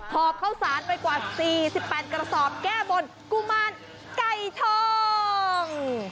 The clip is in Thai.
อบข้าวสารไปกว่า๔๘กระสอบแก้บนกุมารไก่ทอง